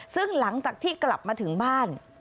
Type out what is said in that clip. ซึ่งหลังจากที่กลับมาถึงบ้าน